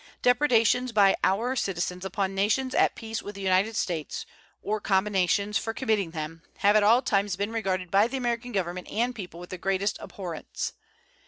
Depredations by our citizens upon nations at peace with the United States, or combinations for committing them, have at all times been regarded by the American Government and people with the greatest abhorrence.